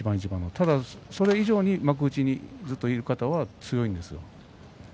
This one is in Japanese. ただ、それ以上に幕内にずっといる人は強いんですよ。